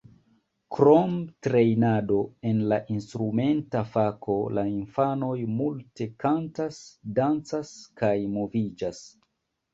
Krom trejnado en la instrumenta fako la infanoj multe kantas, dancas kaj moviĝas.